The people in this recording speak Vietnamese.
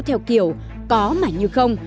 theo kiểu có mà như không